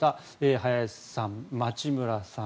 林さん、町村さん